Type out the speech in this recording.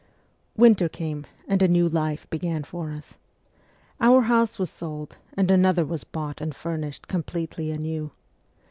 Winter came, and a new life began for us. Our house was sold' and another was bought and furnished completely anew.